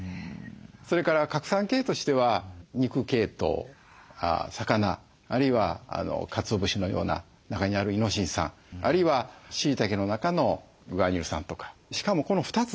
それから核酸系としては肉系統魚あるいはかつお節のような中にあるイノシン酸。あるいはしいたけの中のグアニル酸とか。